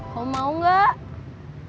kalo mau enggak